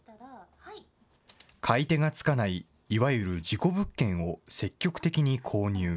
買い手がつかない、いわゆる事故物件を積極的に購入。